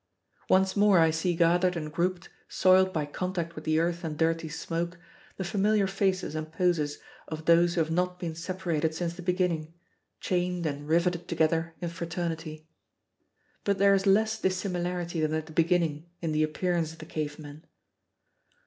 Once more I see gathered and grouped, soiled by contact with the earth and dirty smoke, the familiar faces and poses of those who have not been separated since the beginning, chained and riveted together in fraternity. But there is less dissimilarity than at the beginning in the appearance of the cave men.